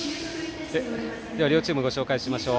両チームご紹介しましょう。